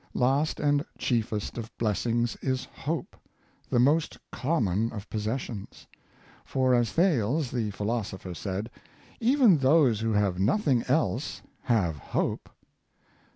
Last and chiefest of blessings is hope, the most com mon of possessions; for, as Thales, the philosopher, said, '' Even those who have nothing else have hope."